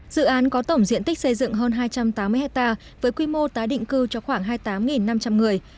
dự án có tổng diện tích xây dựng hơn hai trăm tám mươi hectare với quy mô tái định cư cho khoảng hai mươi tám năm trăm linh người